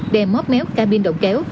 đè móp méo cabin đầu kéo